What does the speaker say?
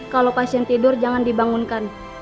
kalau pasien tidur jangan dibangunkan